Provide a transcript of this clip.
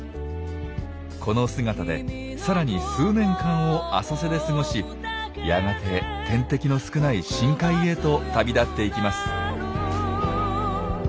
この姿でさらに数年間を浅瀬で過ごしやがて天敵の少ない深海へと旅立っていきます。